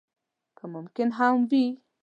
که ممکن هم وي.